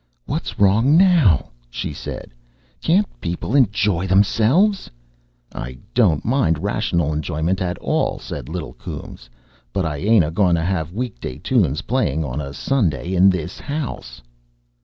"What's wrong now?" she said; "can't people enjoy themselves?" "I don't mind rational 'njoyment, at all," said little Coombes, "but I ain't a going to have week day tunes playing on a Sunday in this house."